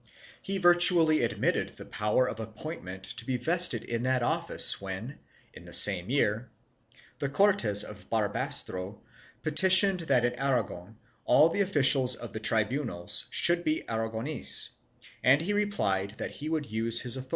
He virtually admitted the power of appointment to be vested in that office when, in the same year, the Cortes of Barbastro petitioned that in Aragon all the officials of the tribunals should be Aragonese and he replied that he would use his authority 1 Archive de Simancas, Inquisicion, Libro 29, fol.